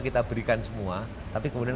kita berikan semua tapi kemudian